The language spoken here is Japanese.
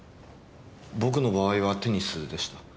僕の場合はテニスでした。